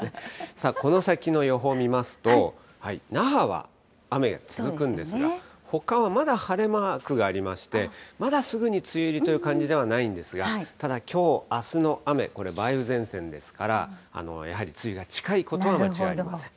この先の予報を見ますと、那覇は雨が続くんですが、ほかはまだ晴れマークがありまして、まだすぐに梅雨入りという感じではないんですが、ただきょう、あすの雨、これ、梅雨前線ですから、やはり梅雨が近いことは間違いありません。